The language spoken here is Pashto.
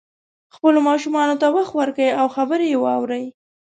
خپلو ماشومانو ته وخت ورکړئ او خبرې یې واورئ